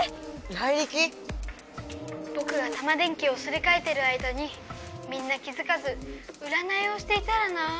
ライリキ⁉ぼくがタマ電Ｑをすりかえてる間にみんな気づかずうらないをしていたらなぁ。